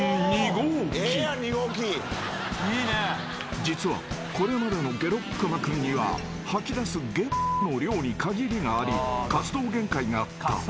［実はこれまでのげろっくまくんには吐き出すゲの量に限りがあり活動限界があった］